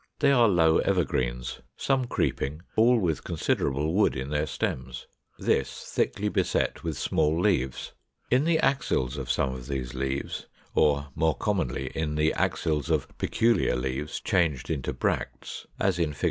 They are low evergreens, some creeping, all with considerable wood in their stems: this thickly beset with small leaves. In the axils of some of these leaves, or more commonly, in the axils of peculiar leaves changed into bracts (as in Fig.